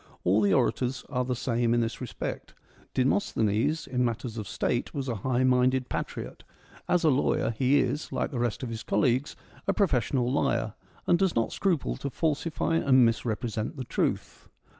All the orators are the same in this respect. Demosthenes THE ATTIC ORATORS 189 in matters of State was a high minded patriot ; as a lawyer he is, like the rest of his colleagues, a pro fessional liar, and does not scruple to falsify and misrepresent the truth.